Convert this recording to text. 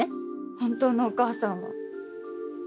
本当のお母さんは。